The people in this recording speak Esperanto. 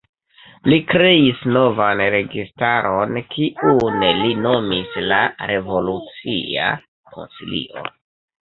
Li kreis novan registaron, kiun li nomis la "Revolucia Konsilio".